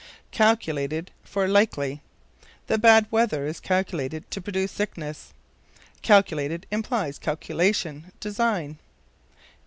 Calculated for Likely. "The bad weather is calculated to produce sickness." Calculated implies calculation, design.